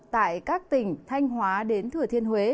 tại các tỉnh thanh hóa đến thừa thiên huế